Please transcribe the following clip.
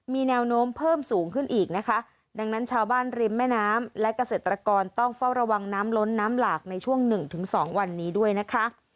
มีแนวโน้มเพิ่มสูงขึ้นอีกนะคะดังนั้นชาวบ้านริมแม่น้ำและเกษตรกรต้องเฝ้าระวังน้ำล้นน้ำหลากในช่วงหนึ่งถึงสองวันนี้ด้วยนะคะ